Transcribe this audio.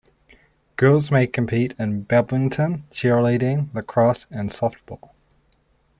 Girls may compete in badminton, cheerleading, lacrosse and softball.